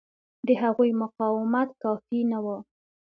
د هغوی مقاومت کافي نه و.